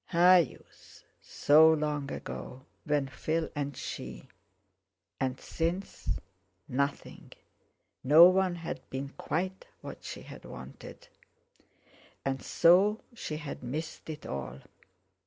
Her youth! So long ago—when Phil and she—And since? Nothing—no one had been quite what she had wanted. And so she had missed it all.